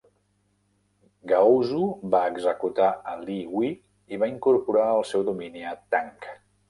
Gaozu va executar a Li Gui i va incorporar el seu domini a Tang.